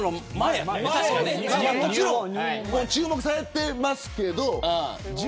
もう注目されてますけど。